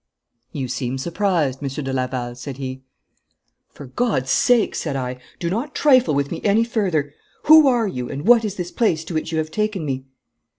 'You seem surprised, Monsieur de Laval,' said he. 'For God's sake,' said I, 'do not trifle with me any further! Who are you, and what is this place to which you have taken me?'